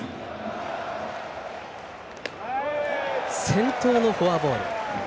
先頭のフォアボール。